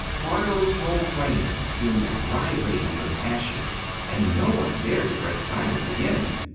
Bardo's whole frame seemed vibrating with passion, and no one dared to break silence again.